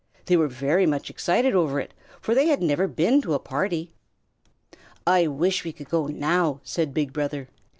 They were very much excited over it, for they had never been to a party. "I wish we could go now," said Big Brother.